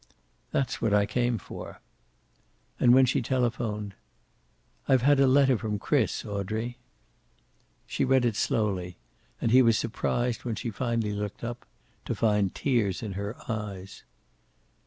"That's what I came for." And when she had telephoned; "I've had a letter from Chris, Audrey." She read it slowly, and he was surprised, when she finally looked up, to find tears in her eyes.